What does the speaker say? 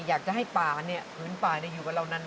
อยากจะให้ป่าเนี่ยผืนป่าอยู่กับเรานาน